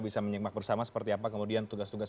bisa menyikmak bersama seperti apa kemudian tugas tugas